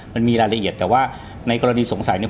มันมีรายละเอียดแต่ว่าในกรณีสงสัยเนี่ย